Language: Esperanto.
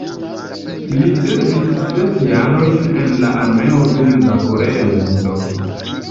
Li servis ses jarojn en la armeo dum la Korea milito.